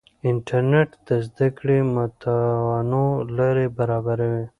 انټرنیټ د زده کړې متنوع لارې برابروي.